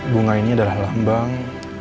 bunga ini adalah lambang